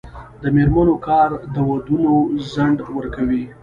د میرمنو کار د ودونو ځنډ ورکوي.